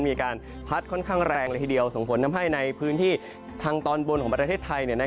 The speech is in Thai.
มีการพัดค่อนข้างแรงเลยทีเดียวส่งผลทำให้ในพื้นที่ทางตอนบนของประเทศไทย